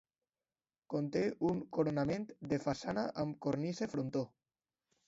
Conté un coronament de façana amb cornisa i frontó.